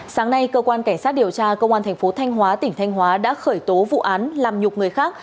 sáng nay cơ quan cảnh sát điều tra công an thành phố thanh hóa tỉnh thanh hóa đã khởi tố vụ án làm nhục người khác